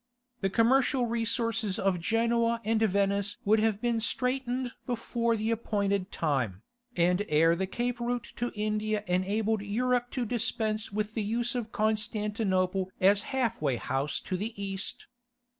The commercial resources of Genoa and Venice would have been straitened before the appointed time, and ere the Cape route to India enabled Europe to dispense with the use of Constantinople as half way house to the East.